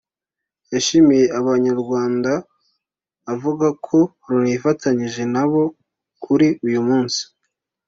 yashimiye abanyarwanda avuga ko Loni yifatanije na bo kuri uyu munsi